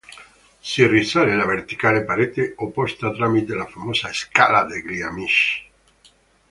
Si risale la verticale parete opposta tramite la famosa "Scala degli Amici".